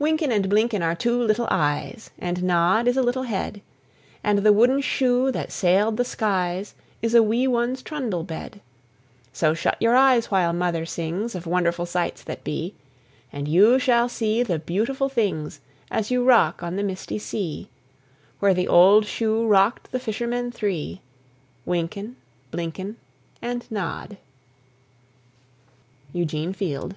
Wynken and Blynken are two little eyes, And Nod is a little head, And the wooden shoe that sailed the skies Is a wee one's trundle bed; So shut your eyes while Mother sings Of wonderful sights that be, And you shall see the beautiful things As you rock on the misty sea Where the old shoe rocked the fishermen three, Wynken, Blynken, And Nod. EUGENE FIELD.